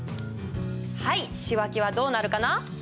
はい仕訳はどうなるかな？